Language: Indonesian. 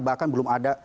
bahkan belum ada